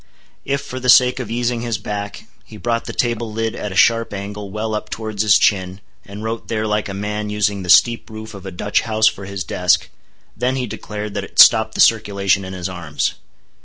If, for the sake of easing his back, he brought the table lid at a sharp angle well up towards his chin, and wrote there like a man using the steep roof of a Dutch house for his desk:—then he declared that it stopped the circulation in his arms.